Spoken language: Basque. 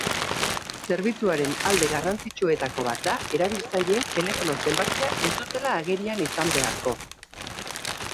Zerbitzuaren alde garrantzitsuetako bat da erabiltzaileek telefono zenbakia ez dutela agerian izan beharko.